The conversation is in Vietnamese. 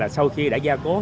sau khi đã gia cố